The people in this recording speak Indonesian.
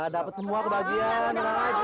dapet semua kebagian